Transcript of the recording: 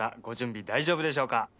ご準備大丈夫でしょうか？